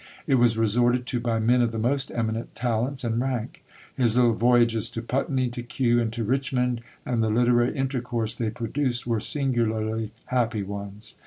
It was resorted to by men of the most eminent talents and rank. His little voyages to Putney, to Kew, and to Richmond, and the literary intercourse they produced, were singularly happy ones.